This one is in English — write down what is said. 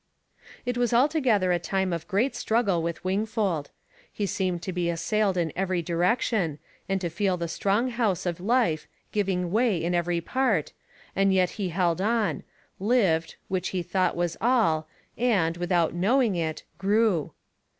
It was altogether a time of great struggle with Wingfold. He seemed to be assailed in every direction, and to feel the strong house of life giving way in every part, and yet he held on lived, which he thought was all, and, without knowing it, grew.